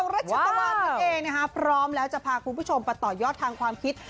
รัชตะวันนั่นเองนะคะพร้อมแล้วจะพาคุณผู้ชมไปต่อยอดทางความคิด